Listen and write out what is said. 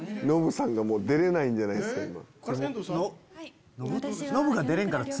ノブさんがもう出れないんじゃないですか？